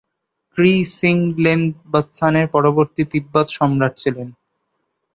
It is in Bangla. খ্রি-স্রোং-ল্দে-ব্ত্সানের পরবর্তী তিব্বত সম্রাট ছিলেন।